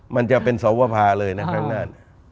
มันจะเป็นสวภาเลยนะครั้งหน้า